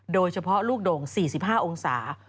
โดยเฉพาะลูกโด่ง๔๕องศา